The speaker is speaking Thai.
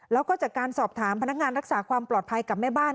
แล้วก็จากการสอบถามพนักงานรักษาความปลอดภัยกับแม่บ้าน